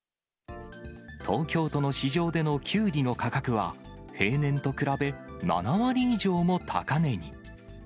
東京都の市場でのきゅうりの価格は、平年と比べ７割以上も高値に。